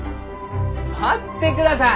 待ってください！